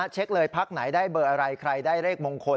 เช็คเลยพักไหนได้เบอร์อะไรใครได้เลขมงคล